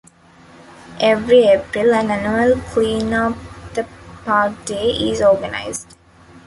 Every April, an annual "Clean Up the Park Day" is organised.